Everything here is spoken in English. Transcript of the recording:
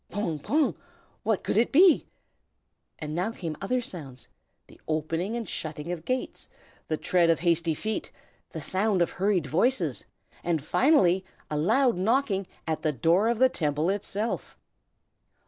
"Pong! pong!" what could it be? And now came other sounds, the opening and shutting of gates, the tread of hasty feet, the sound of hurried voices, and finally a loud knocking at the door of the Temple itself.